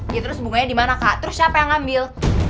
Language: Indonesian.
gitu terus bunganya di mana kak terus siapa yang ngambil